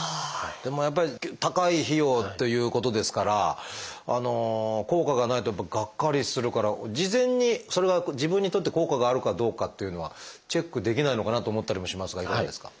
でもやっぱり高い費用ということですから効果がないとやっぱりがっかりするから事前にそれは自分にとって効果があるかどうかっていうのはチェックできないのかなと思ったりもしますがいかがですか？